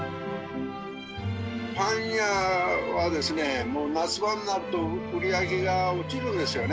パン屋はもう、夏場になると売り上げが落ちるんですよね。